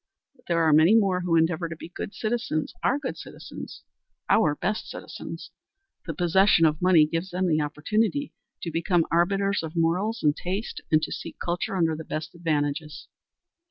But there are many more who endeavor to be good citizens are good citizens, our best citizens. The possession of money gives them the opportunity to become arbiters of morals and taste, and to seek culture under the best advantages.